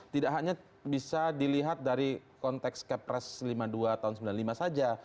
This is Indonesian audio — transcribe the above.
tidak hanya bisa dilihat dari konteks kepres lima puluh dua tahun seribu sembilan ratus sembilan puluh lima saja